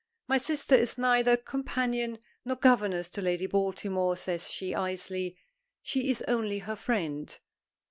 "My sister is neither companion nor governess to Lady Baltimore," says she icily. "She is only her friend."